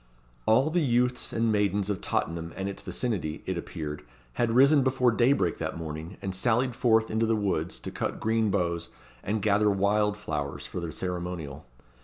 All the youths and maidens of Tottenham and its vicinity, it appeared, had risen before daybreak that morning, and sallied forth into the woods to cut green boughs, and gather wild flowers, for the ceremonial.